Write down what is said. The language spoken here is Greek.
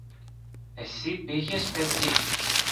Εσύ πήγες πεζή.